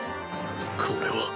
これは。